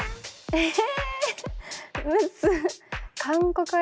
ええ？